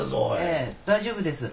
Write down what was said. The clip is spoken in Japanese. ええ大丈夫です。